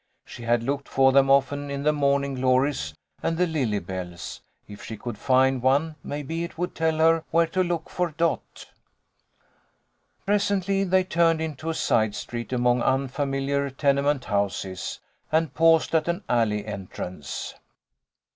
She had looked for them often in the morning glories and the lily bells. If she could find one maybe it would tell her where to look for Dot. Presently they turned into a side street among 1 86 THE LITTLE COLONEL'S HOLIDAYS. unfamiliar tenement houses, and paused at an ajley entrance.